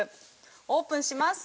オープンします。